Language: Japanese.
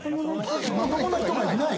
・まともな人がいない？